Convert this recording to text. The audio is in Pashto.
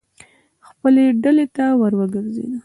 خپلې ډلې ته ور وګرځېدل.